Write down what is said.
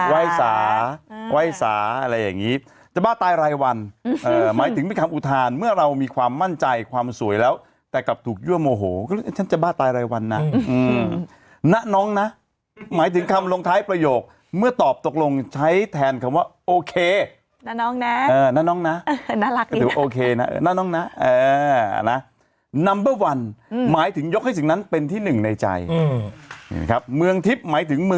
วัยสาววัยสาอะไรอย่างนี้จะบ้าตายรายวันหมายถึงเป็นคำอุทานเมื่อเรามีความมั่นใจความสวยแล้วแต่กลับถูกยั่วโมโหฉันจะบ้าตายรายวันนะณน้องนะหมายถึงคำลงท้ายประโยคเมื่อตอบตกลงใช้แทนคำว่าโอเคนะน้องนะน้าน้องนะถือโอเคนะน้องนะนัมเบอร์วันหมายถึงยกให้สิ่งนั้นเป็นที่หนึ่งในใจ